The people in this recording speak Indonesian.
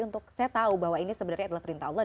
untuk saya tahu bahwa ini sebenarnya adalah perintah allah